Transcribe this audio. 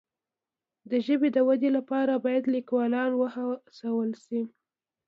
د ژبې د ودي لپاره باید لیکوالان وهڅول سي.